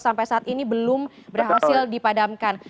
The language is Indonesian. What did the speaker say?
sampai saat ini belum berhasil dipadamkan